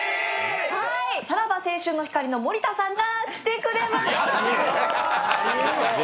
さらば青春の光の森田さんが来てくれました！